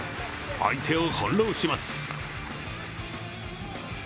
相手を翻弄します。